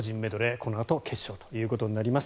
このあと決勝ということになります。